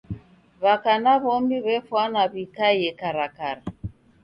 W'aka na w'omi w'efwana w'ikaie karakara.